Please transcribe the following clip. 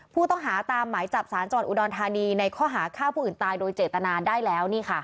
ผู้ต้องหาตามหมายจับสารจังหวัดอุดรธานีในข้อหาฆ่าผู้อื่นตายโดยเจตนาได้แล้ว